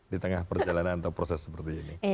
di tengah perjalanan atau proses seperti ini